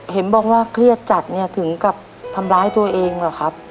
เห็นบอกว่าเครียดจัดเนี่ยถึงกับทำร้ายตัวเองเหรอครับ